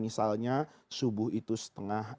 misalnya subuh itu setengah